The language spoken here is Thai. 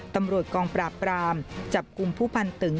ตำรวจกองปราบปรามจับกลุ่มผู้พันตึง